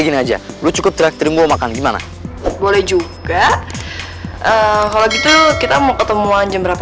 gini aja lu cukup terakhir gua makan gimana boleh juga kalau gitu kita mau ketemu aja berapa